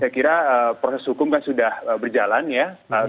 saya kira proses hukum kan sudah berjalan ya